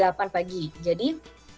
jadi saya bisa berpikir